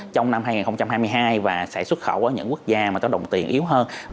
trong năm hai nghìn hai mươi hai và sẽ xuất khẩu qua những quốc gia mà có đồng tiền yếu hơn